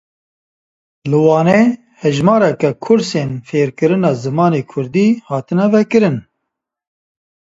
Li Wanê hejmareke kursên fêrkirina zimanê Kurdî hatine vekirin.